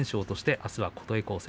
あすは琴恵光戦。